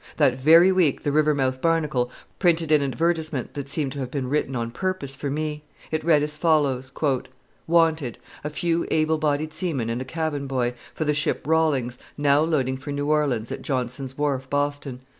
That very week the Rivermouth Barnacle printed an advertisement that seemed to have been written on purpose for me. It read as follows: WANTED. A Few Able bodied Seamen and a Cabin Boy, for the ship Rawlings, now loading for New Orleans at Johnson's Wharf, Boston.